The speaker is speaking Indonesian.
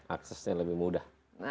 aksesnya lebih mudah